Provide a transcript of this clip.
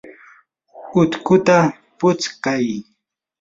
utkuta putskay.